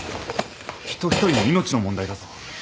人一人の命の問題だぞ。